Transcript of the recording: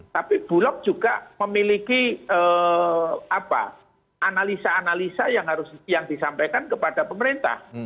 tapi bulog juga memiliki analisa analisa yang harus yang disampaikan kepada pemerintah